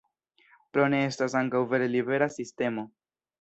Plone estas ankaŭ vere libera sistemo.